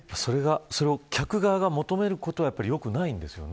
それを客側が求めることはよくないんですよね。